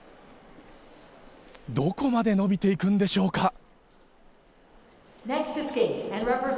どこまで伸びていくんでしょうか。